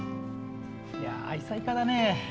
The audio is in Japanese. いや愛妻家だね。